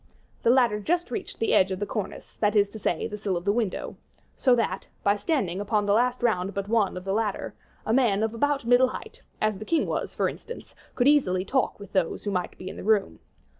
The ladder just reached the edge of the cornice, that is to say, the sill of the window; so that, by standing upon the last round but one of the ladder, a man of about the middle height, as the king was, for instance, could easily talk with those who might be in the room.